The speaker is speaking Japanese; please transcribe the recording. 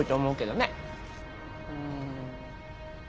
うん。